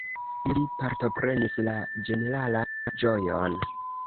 Ili partoprenis la ĝeneralan ĝojon.